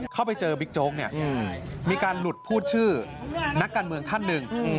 เข้าไปเจอบิ๊กโจ๊กเนี่ยมีการหลุดพูดชื่อนักการเมืองท่านหนึ่ง